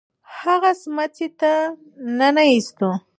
هغه سمڅې ته ننه ایستو.